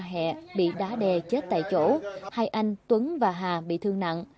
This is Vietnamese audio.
cả hai người leo lên một tảng đá đè chết tại chỗ hai anh tuấn và hà bị thương nặng